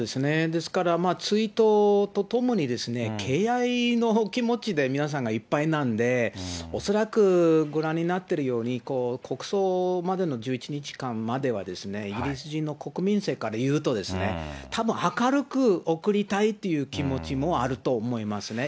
ですから追悼とともに、敬愛の気持ちで皆さんがいっぱいなんで、恐らくご覧になってるように、国葬までの１１日間までは、イギリス人の国民性からいうと、たぶん明るく送りたいっていう気持ちもあると思いますね。